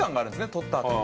取ったあとに。